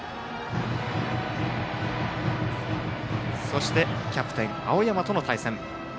そしてキャプテン、青山との対戦。